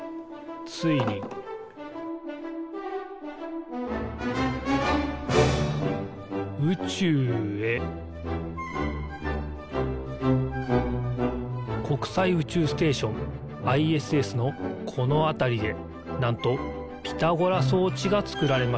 ついに宇宙へ国際宇宙ステーションＩＳＳのこのあたりでなんとピタゴラそうちがつくられました。